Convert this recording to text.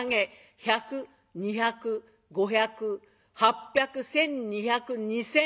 １００２００５００８００１，２００２，０００。